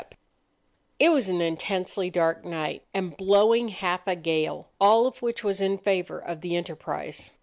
Page 227"] It was an intensely dark night and blowing half a gale. all of which was in favour of the enterprise.